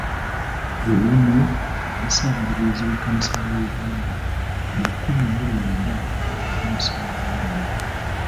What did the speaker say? Luwum yali Ssaabalabirizi w'ekkanisa ya Uganda mu lukumi mu lwenda mu nsanvu mu nnya.